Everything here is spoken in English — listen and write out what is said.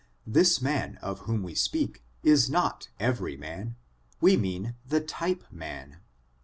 This man of whom we speak is not every man ; we mean the type man.